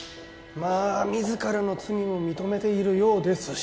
まあ自らの罪も認めているようですし。